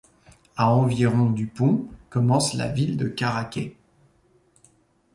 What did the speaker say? À environ du pont commence la ville de Caraquet.